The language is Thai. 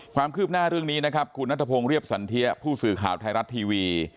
ความคืบหน้าเรื่องนี้นะครับคุณนัทพงศ์เรียบสันเทียผู้สื่อข่าวไทยรัฐทีวี